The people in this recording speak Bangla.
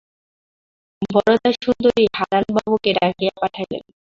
বরদাসুন্দরী হারানবাবুকে ডাকিয়া পাঠাইলেন।